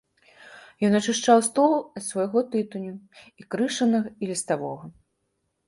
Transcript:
Ён ачышчаў стол ад свайго тытуню, і крышанага, і ліставога.